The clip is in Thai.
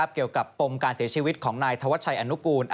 ปมการเสียชีวิตของนายธวัชชัยอนุกูล